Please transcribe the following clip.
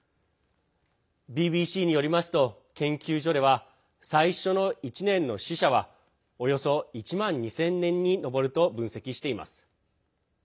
ＢＢＣによりますと、研究所では最初の１年の死者はおよそ１万２０００人に上ると分析しています。